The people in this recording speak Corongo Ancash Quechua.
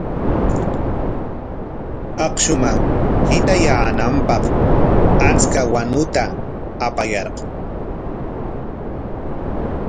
Akshuman hitayaananpaq achka wanuta apayarqun.